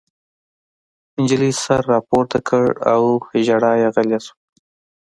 نجلۍ سر راپورته کړ او ژړا یې غلې شوه